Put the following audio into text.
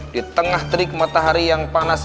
ditengah terik matahari yang panas